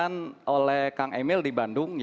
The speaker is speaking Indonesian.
apa yang sudah dilakukan oleh kang emil di bandung